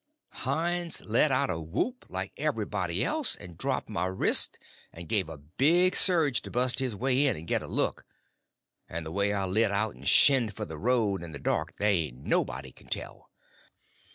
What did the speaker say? Hines let out a whoop, like everybody else, and dropped my wrist and give a big surge to bust his way in and get a look, and the way I lit out and shinned for the road in the dark there ain't nobody can tell.